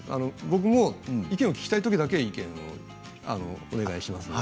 僕も意見を聞きたいときだけお願いしますと。